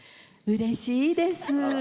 うれしいです。